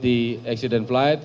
denpasar dengan jakarta